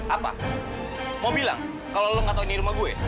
apa mau bilang kalau lo nggak tahu ini rumah gue